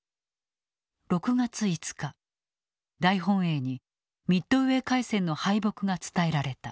６月５日大本営にミッドウェー海戦の敗北が伝えられた。